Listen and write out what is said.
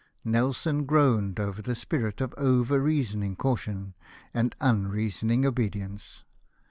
Nelson groaned over the spirit of over reasoning caution and un reasoning obedience.